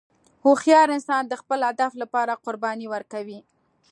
هوښیار انسان د خپل هدف لپاره قرباني ورکوي.